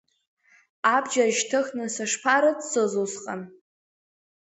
Абџьар шьҭыхны, сышԥарыццоз усҟан?